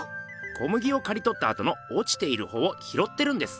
小麦をかりとったあとの落ちている穂を拾ってるんです。